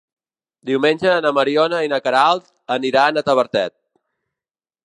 Diumenge na Mariona i na Queralt aniran a Tavertet.